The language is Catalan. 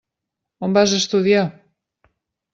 On vas estudiar?